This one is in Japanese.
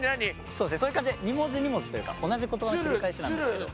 そういう感じで２文字２文字というか同じ言葉の繰り返しなんですけど。